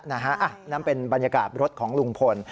นั่นเป็นบรรยากาศรถของลุงพล